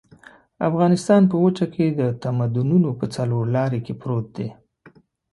افغانستان په وچه کې د تمدنونو په څلور لاري کې پروت دی.